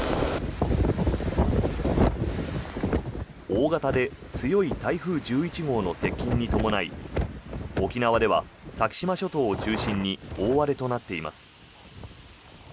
大型で強い台風１１号の接近に伴い沖縄では先島諸島を中心に大荒れとなっています。